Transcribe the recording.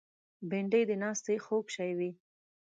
بېنډۍ د ناستې خوږ شی وي